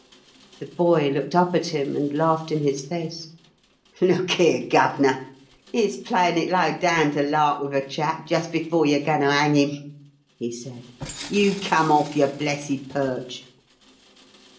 The boy looked up at him and laughed in his face. "Look 'ere, Gov'nor, it's playin' it low down to lark wiv a chap jist before you're goin' to 'ang 'im," he said. "You come off your blessed perch."